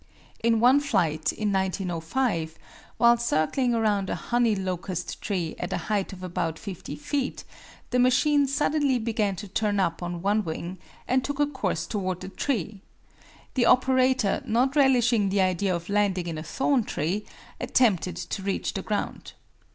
In one flight, in 1905, while circling around a honey locust tree at a height of about 50 feet, the machine suddenly began to turn up on one wing, and took a course toward the tree. The operator, not relishing the idea of landing in a thorn tree, attempted to reach the ground.